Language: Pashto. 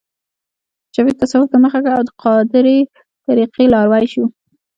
جاوید تصوف ته مخه کړه او د قادرې طریقې لاروی شو